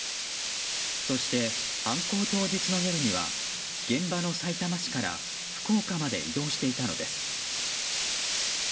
そして犯行当日の夜には現場のさいたま市から福岡まで移動していたのです。